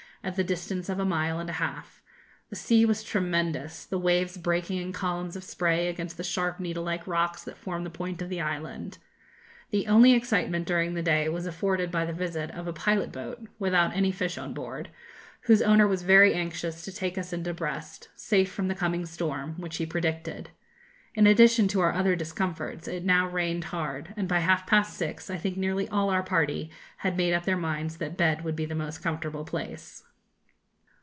at the distance of a mile and a half; the sea was tremendous, the waves breaking in columns of spray against the sharp needle like rocks that form the point of the island. The only excitement during the day was afforded by the visit of a pilot boat (without any fish on board), whose owner was very anxious to take us into Brest, 'safe from the coming storm,' which he predicted. In addition to our other discomforts, it now rained hard; and by half past six I think nearly all our party had made up their minds that bed would be the most comfortable place.